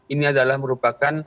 ini adalah merupakan